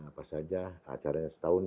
apa saja acaranya setahun